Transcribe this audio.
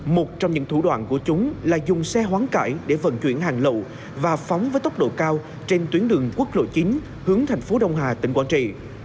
một trong những thủ đoạn của chúng là dùng xe hoán cải để vận chuyển hàng lậu và phóng với tốc độ cao trên tuyến đường quốc lộ chín hướng thành phố đông hà tỉnh quảng trị